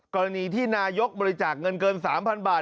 กรณีที่นายกบริจาคเงินเกิน๓๐๐บาท